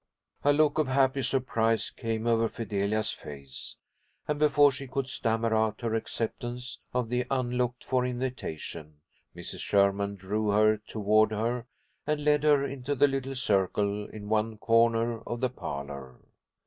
A look of happy surprise came over Fidelia's face, and before she could stammer out her acceptance of the unlooked for invitation, Mrs. Sherman drew her toward her and led her into the little circle in one corner of the parlour.